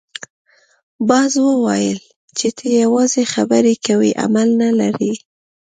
باز وویل چې ته یوازې خبرې کوې عمل نه لرې.